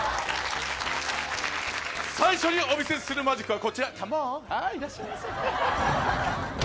最初にお見せするマジックはこちら、カモン。